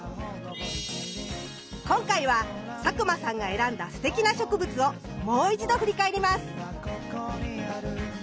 今回は佐久間さんが選んだすてきな植物をもう一度振り返ります。